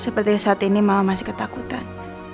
seperti saat ini mama masih ketakutan